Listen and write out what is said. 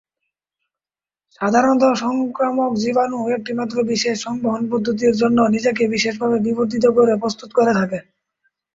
সাধারণত সংক্রামক জীবাণু একটিমাত্র বিশেষ সংবহন পদ্ধতির জন্য নিজেকে বিশেষভাবে বিবর্তিত করে প্রস্তুত করে থাকে।